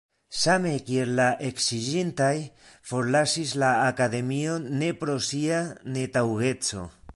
Same kiel la eksiĝintaj forlasis la akademion ne pro sia netaŭgeco.